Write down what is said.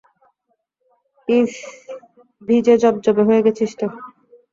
ইস্, ভিজে জবজবে হয়ে গেছিস তো।